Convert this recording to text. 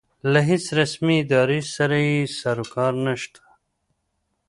له هېڅ رسمې ادارې سره یې سروکار نشته.